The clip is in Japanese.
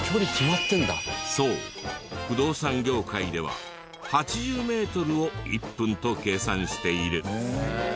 そう不動産業界では８０メートルを１分と計算している。